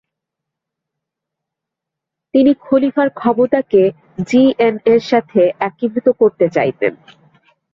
তিনি খলিফার ক্ষমতাকে জিএনএ'এর সাথে একীভূত করতে চাইতেন।